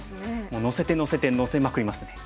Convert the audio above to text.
もうのせてのせてのせまくりますね。